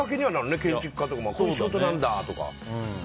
建築家ってこういう仕事なんだとか。